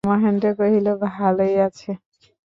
মহেন্দ্র কহিল, ভালোই আছে।